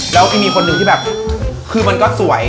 แล้วมีคนหนึ่งที่แบบคือมันก็สวย